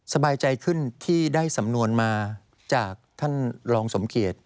สบายใจขึ้นที่ได้สำนวนมาจากท่านรองสมเกียจ